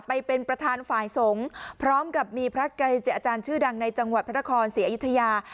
ไปเป็นประธานฝ่ายสงฆ์พร้อมกับมีพระเกจิอาจารย์ชื่อดังในจังหวัดพระนครศรีอยุธยา